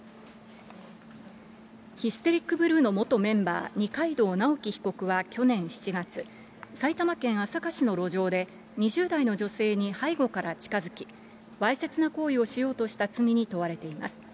ヒステリックブルーの元メンバー、二階堂直樹被告は去年７月、埼玉県朝霞市の路上で、２０代の女性に背後から近づき、わいせつな行為をしようとした罪に問われています。